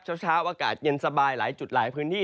เช้าอากาศเย็นสบายหลายจุดหลายพื้นที่